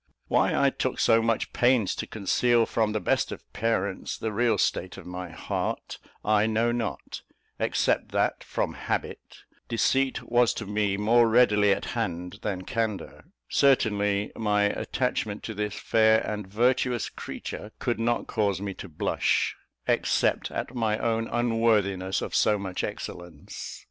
Why I took so much pains to conceal from the best of parents the real state of my heart, I know not, except that, from habit, deceit was to me more readily at hand than candour; certainly my attachment to this fair and virtuous creature could not cause me to blush, except at my own unworthiness of so much excellence.